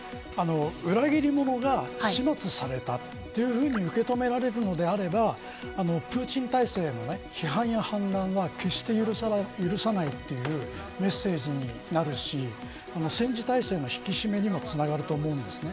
裏切り者が始末されたというふうに受け止められるのであればプーチン体制の批判や反乱は決して許されないというメッセージになるし戦時体制の引き締めにもつながると思うんです。